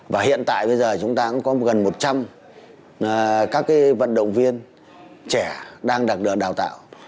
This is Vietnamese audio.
và hiện tại bây giờ chúng ta cũng có gần một trăm linh các vận động viên trẻ đang được đào tạo